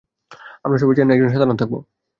আমরা সবাই চেন্নাইয়ে একদম সাধারণ থাকব।